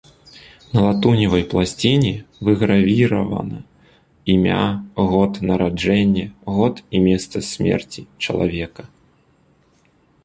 На латуневай пласціне выгравіравана імя, год нараджэння, год і месца смерці чалавека.